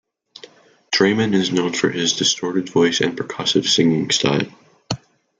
Draiman is known for his distorted voice and percussive singing style.